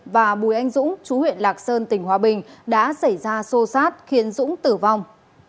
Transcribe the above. và bùi anh dũng chú huyện lạc sơn tỉnh hòa bình đã xảy ra xô xát khiến dũng tử vong